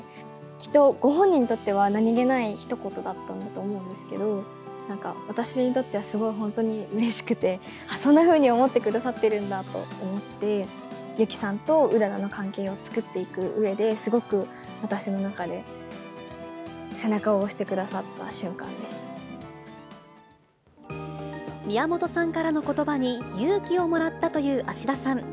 きっと、ご本人にとっては何気ないひと言だったんだと思うんですけど、私にとっては、すごい本当にうれしくて、そんなふうに思ってくださってるんだと思って、雪さんとうららの関係を作っていくうえで、すごく、私の中で背中宮本さんからのことばに勇気をもらったという芦田さん。